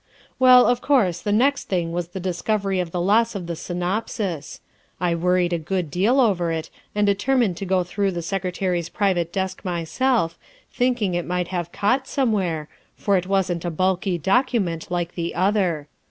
'' Well, of course, the next thing was the discovery of the loss of the synopsis. I worried a good deal over it, and determined to go through the Secretary's private desk myself, thinking it might have caught somewhere, for it wasn't a bulky document, like the other.